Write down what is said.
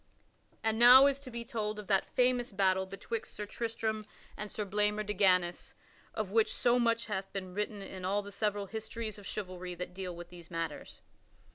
And now is to be told of that famous battle betwixt Sir Tristram and Sir Blamor de Ganys of which so much hath been written in all the several histories of chivalry that deal with these matters.